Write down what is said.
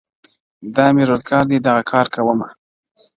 دا مي روزگار دى دغـه كــار كــــــومـــه,